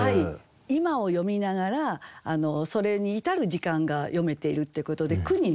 今を詠みながらそれに至る時間が詠めているっていうことで句にね